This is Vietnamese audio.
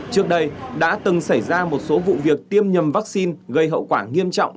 trước đây đã từng xảy ra một số vụ việc tiêm nhầm vaccine gây hậu quả nghiêm trọng